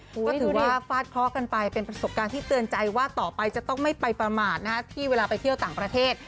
ก็ถือว่าฟาดเคราะห์กันไปเป็นประสบการณ์ที่เตือนใจว่าต่อไปจะต้องไม่ไปประมาทที่เวลาไปเที่ยวต่างประเทศ